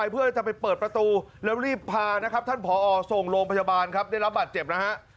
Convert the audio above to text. เพื่อจะไปเปิดประตูแล้วรีบพานะครับท่านผอส่งโรงพยาบาลครับได้รับบาดเจ็บนะฮะ